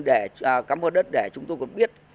để cắm vào đất để chúng tôi còn biết